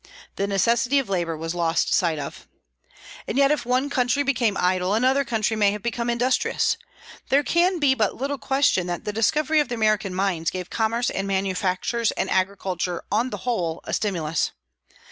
The necessity of labor was lost sight of. And yet if one country became idle, another country may have become industrious. There can be but little question that the discovery of the American mines gave commerce and manufactures and agriculture, on the whole, a stimulus.